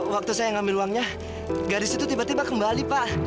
waktu saya ngambil uangnya garis itu tiba tiba kembali pak